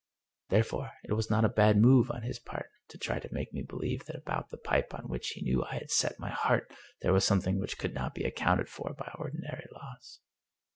Therefore, it 228 The Pipe was not a bad move on his part to try to make me be lieve that about the pipe on which he knew I had set my heart there was something which could not be accounted for by ordinary laws.